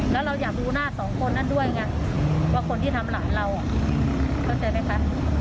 แล้วเราอยากดูหน้าสองคนนั้นด้วยไงว่าคนที่ทำหลานเราเข้าใจไหมคะ